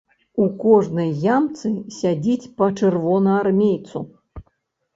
У кожнай ямцы сядзіць па чырвонаармейцу.